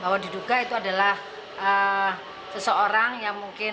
bahwa diduga itu adalah seseorang yang mungkin